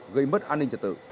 gây mất an ninh trật tử